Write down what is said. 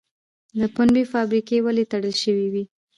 د پنبې فابریکې ولې تړل شوې وې؟